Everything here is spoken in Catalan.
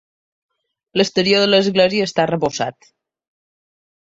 L'exterior de l'església està arrebossat.